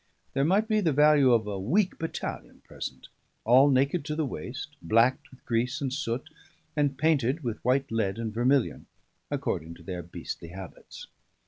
There might be the value of a weak battalion present; all naked to the waist, blacked with grease and soot, and painted with white lead and vermilion, according to their beastly habits.